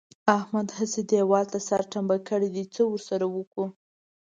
احمد هسې دېوال ته سر ټنبه کړی دی؛ څه ور سره وکړو؟!